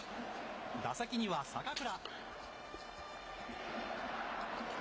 打席には坂倉。